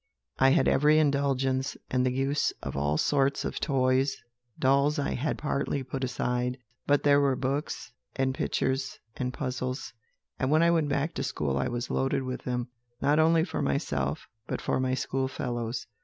I had every indulgence, and the use of all sorts of toys; dolls I had partly put aside; but there were books, and pictures, and puzzles; and when I went back to school I was loaded with them; not only for myself, but for my schoolfellows.